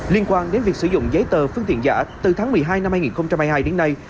liên quan đến việc sử dụng giấy tờ phương tiện giả từ tháng một mươi hai năm hai nghìn hai mươi hai đến nay